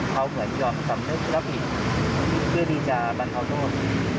เขาเหมือนยอมสำนึกรับผิดเพื่อที่จะบรรเทาโทษ